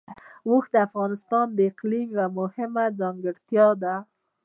اوښ د افغانستان د اقلیم یوه مهمه ځانګړتیا ده.